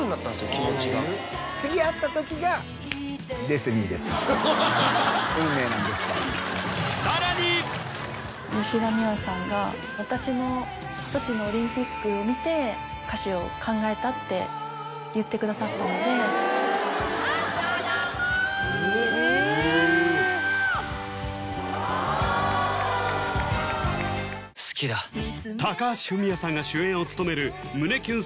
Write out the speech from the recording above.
気持ちが次会った時がＤｅｓｔｉｎｙですと運命なんですと吉田美和さんが私のソチのオリンピックを見て歌詞を考えたって言ってくださったので高橋文哉さんが主演を務める胸キュン